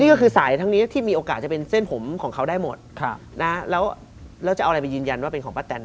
นี่ก็คือสายทั้งนี้ที่มีโอกาสจะเป็นเส้นผมของเขาได้หมดแล้วจะเอาอะไรไปยืนยันว่าเป็นของป้าแตน